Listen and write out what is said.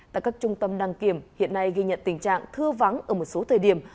tại các trung tâm đăng kiểm hiện nay ghi nhận tình trạng thư vắng ở một số thời điểm